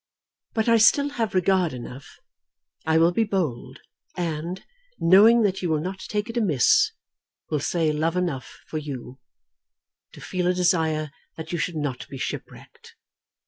But I still have regard enough, I will be bold, and, knowing that you will not take it amiss, will say love enough for you, to feel a desire that you should not be shipwrecked.